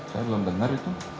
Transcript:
saya belum dengar itu